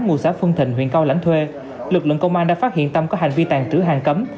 ngụ xã phương thịnh huyện cao lãnh thuê lực lượng công an đã phát hiện tâm có hành vi tàn trữ hàng cấm